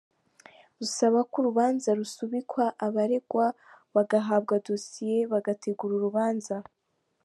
Busaba ko urubanza rusubikwa abaregwa bagahabwa dosiye bagategura urubanza.